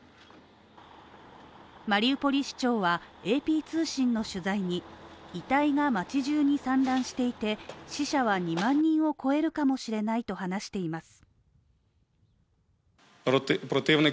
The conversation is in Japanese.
マリウポリ市長は、ＡＰ通信の取材に遺体が街じゅうに散乱していて死者は２万人を超えるかもしれないと話しています。